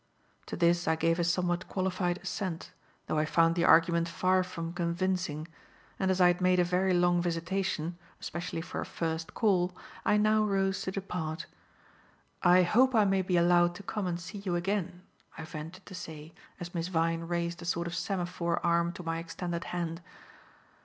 To this I gave a somewhat qualified assent, though I found the argument far from convincing; and, as I had made a very long visitation, especially for a first call, I now rose to depart. "I hope I may be allowed to come and see you again," I ventured to say as Miss Vyne raised a sort of semaphore arm to my extended hand.